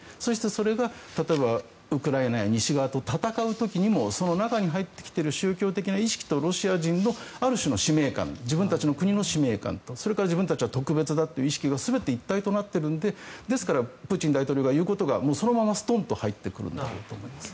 、それが例えばウクライナや西側と戦う時にもその中に入ってきている宗教的な意識とロシア人のある種の使命感自分たちの国の使命感とそれから自分たちは特別だという意識が全て一体となっているのでですからプーチン大統領が言うことがそのままストンと入ってくるんだと思います。